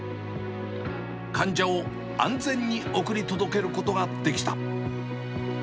患者を安全に送り届けることができた。